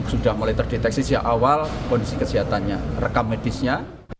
sudah mulai terdeteksi sejak awal kondisi kesehatannya rekam medisnya